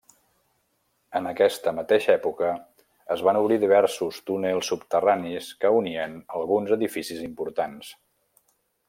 En aquesta mateixa època es van obrir diversos túnels subterranis que unien alguns edificis importants.